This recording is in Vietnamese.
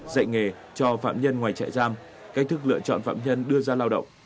dạy nghề cho phạm nhân ngoài trại giam cách thức lựa chọn phạm nhân đưa ra lao động